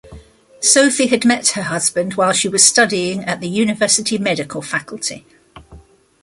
Sophie had met her husband while she was studying at the university medical faculty.